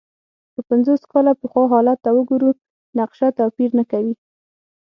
که پنځوس کاله پخوا حالت ته وګورو، نقشه توپیر نه کوي.